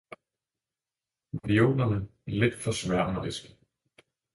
violerne lidt for sværmeriske.